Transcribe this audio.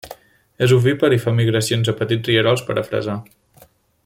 És ovípar i fa migracions a petits rierols per a fresar.